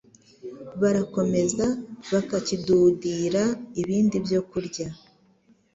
Barakomeza bakakidudira ibindi byokurya,